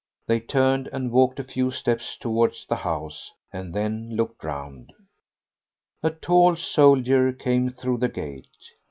They turned and walked a few steps towards the house, and then looked round. A tall soldier came through the gate.